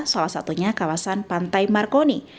salah satunya kawasan pantai markoni